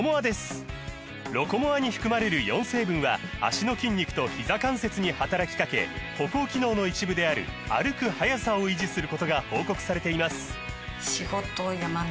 「ロコモア」に含まれる４成分は脚の筋肉とひざ関節に働きかけ歩行機能の一部である歩く速さを維持することが報告されています